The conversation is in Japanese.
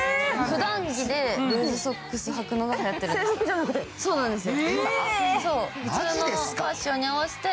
ふだん着でルーズソックスはくのがはやってるんです。